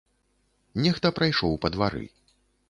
Нехта прайшоў па двары.